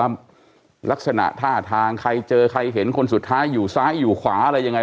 ลักษณะท่าทางใครเจอใครเห็นคนสุดท้ายอยู่ซ้ายอยู่ขวาอะไรยังไง